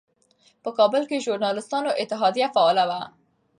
په کابل کې ژورنالېستانو اتحادیه فعاله وه.